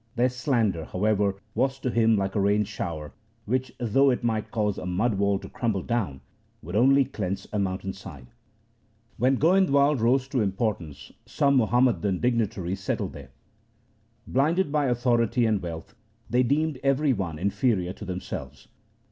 Their slander, however, was to him like a rain shower which, though it might cause a mud wall to crumble down, f 2 68 THE SIKH RELIGION would only cleanse a mountain's side. When Goindwal rose to importance some Muhammadan dignitaries settled there. Blinded by authority and wealth, they deemed every one inferior to themselves.